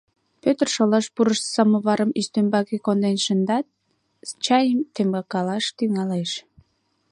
Пӧтыр шолаш пурышо самоварым ӱстембаке конден шындат, чайым темкалаш тӱҥалеш.